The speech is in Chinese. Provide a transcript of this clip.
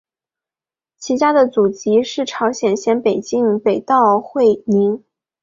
其家的祖籍是朝鲜咸镜北道会宁。